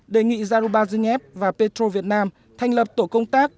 đề nghị zarubazhnev và petro việt nam thành lập tổ công tác